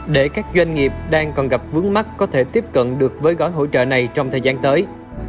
để các doanh nghiệp đang còn gặp vướng mắt có thể tiếp cận được với gói hỗ trợ này trong thời gian tới